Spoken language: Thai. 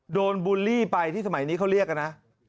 บูลลี่ไปที่สมัยนี้เขาเรียกกันนะ